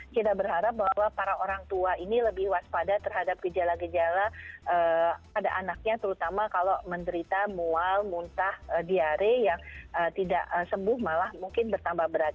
kita berharap bahwa para orang tua ini lebih waspada terhadap gejala gejala pada anaknya terutama kalau menderita mual muntah diare yang tidak sembuh malah mungkin bertambah berat